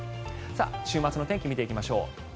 週末の天気を見ていきましょう。